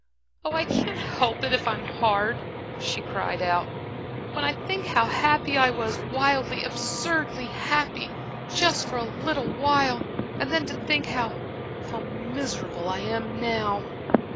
"Oh, I can't help it," she cried out, "if I'm hard. When I think how happy I was wildly, absurdly happy, just for a little while, and then to think how how miserable I am now."